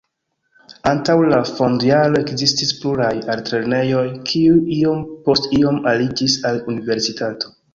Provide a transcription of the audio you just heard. Antaŭ la fond-jaro ekzistis pluraj altlernejoj, kiuj iom post iom aliĝis al universitato.